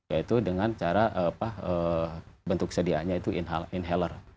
yaitu dengan cara bentuk sedianya itu inhaler